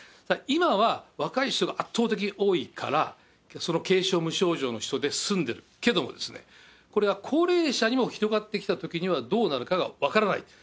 ただ、今は若い人が圧倒的に多いから、その軽症、無症状の人で済んでるけれども、これが高齢者にも広がってきたときにはどうなるかが分からない。